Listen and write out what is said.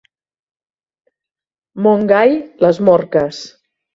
Montgai, les morques.